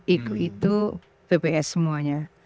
iku itu bps semuanya